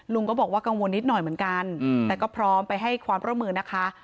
ลุงก็บอกว่ากังวลนิดหน่อยเหมือนกันแต่ก็พร้อมไปให้ความร่วมมือนะคะ